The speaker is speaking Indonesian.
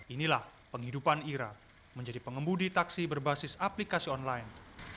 inilah penghidupan ira menjadi pengembudi taksi berbasis aplikasi online